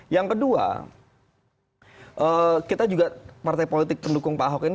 yang kedua kita juga partai politik pendukung pak ahok ini